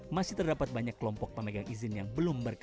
masih terdapat banyak kelompok pemegang izin yang belum berkenan